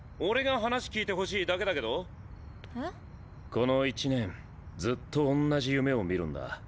この１年ずっとおんなじ夢を見るんだ。